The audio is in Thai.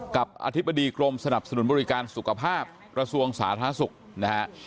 กับอธิบดีกรมสนับสนุนบริการสุขภาพระสวงสาธาสุขนะครับ